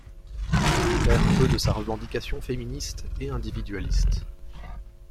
Il perd un peu de sa revendication féministe et individualiste.